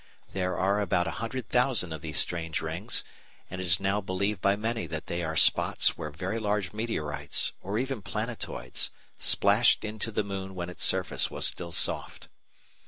There are about a hundred thousand of these strange rings, and it is now believed by many that they are spots where very large meteorites, or even planetoids, splashed into the moon when its surface was still soft.